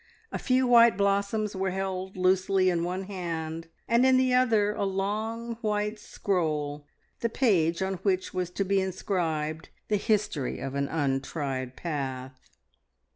A few white blossoms were held loosely in one hand, and in the other a long white scroll the page on which was to be inscribed the history of an untried path.